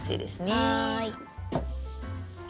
はい。